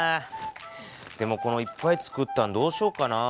でもこのいっぱいつくったんどうしよっかな。